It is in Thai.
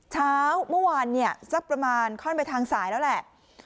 เช้าเมื่อวานเนี่ยสักประมาณค่อนไปทางสายแล้วแหละ